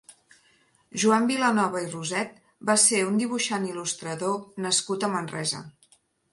Joan Vilanova i Roset va ser un dibuixant i il·lustrador nascut a Manresa.